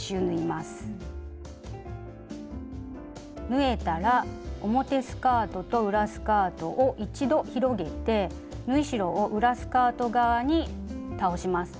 縫えたら表スカートと裏スカートを一度広げて縫い代を裏スカート側に倒します。